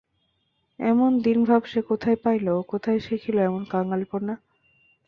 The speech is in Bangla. এমন দীনভাব সে কোথায় পাইল, কোথায় শিখিল এমন কাঙালপনা?